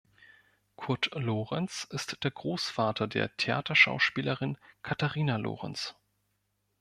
Kurt Lorenz ist der Großvater der Theaterschauspielerin Katharina Lorenz.